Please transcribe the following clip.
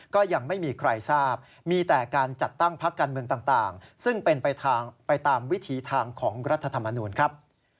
ก็ยังไม่มีใครทราบมีแต่การจัดตั้งพักการเมืองต่างซึ่งเป็นไปตามวิถีทางของรัฐธรรมนูลครับ